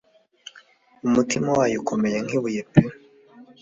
Umutima wayo ukomeye nk ibuye pe